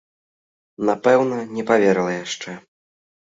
Напэўна, не паверыла яшчэ.